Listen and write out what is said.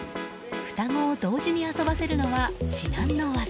双子を同時に遊ばせるのは至難の業。